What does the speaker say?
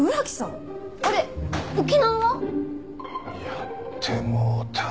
やってもうた。